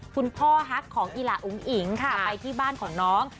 คุณพ่อฮักของอีละอุ๋งอิ๋งค่ะไปที่บ้านของน้อง